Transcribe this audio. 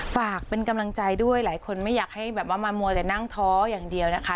ฝากเป็นกำลังใจด้วยหลายคนไม่อยากให้แบบว่ามามัวแต่นั่งท้ออย่างเดียวนะคะ